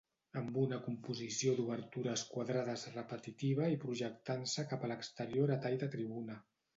Amb una composició d'obertures quadrades repetitiva i projectant-se cap a l'exterior a tall de tribuna.